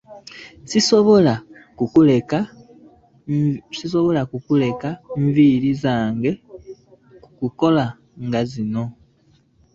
Sisobola kuleka nviiri zange kukula nga zizo.